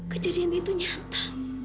kejadian itu nyata